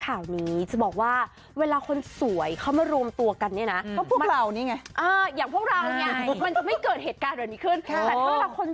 ข่าวนี้จะบอกว่าเวลาคนสวยเขามารวมตัวกันนี่นะ